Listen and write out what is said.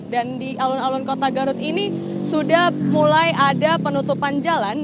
dan di alun alun kota garut ini sudah mulai ada penutupan jalan